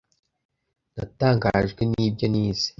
Natangajwe nibyo nize.